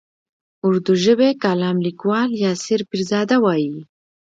اردو ژبی کالم لیکوال یاسر پیرزاده وايي.